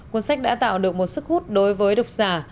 cuốn sách đã tạo được một sức hút đối với độc giả